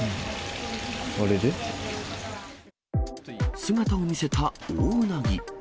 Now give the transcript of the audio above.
姿を見せたオオウナギ。